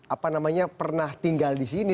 apa namanya pernah tinggal di sini